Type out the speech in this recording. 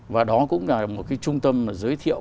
và đó cũng là một cái trung tâm giới thiệu